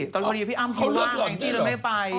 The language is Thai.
ตอนตอนนี้พี่อ้ำเขาว่างแองจี้เลยไม่ไป